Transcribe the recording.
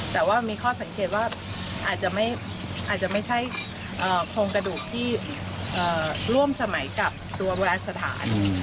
แต่ว่ามีข้อสังเกตว่าอาจจะไม่ใช่โครงกระดูกที่ร่วมสมัยกับตัวโบราณสถาน